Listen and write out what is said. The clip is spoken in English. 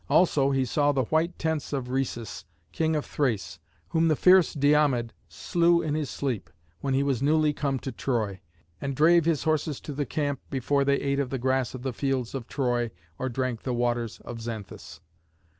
Also he saw the white tents of Rhesus, King of Thrace, whom the fierce Diomed slew in his sleep, when he was newly come to Troy, and drave his horses to the camp before they ate of the grass of the fields of Troy or drank the waters of Xanthus.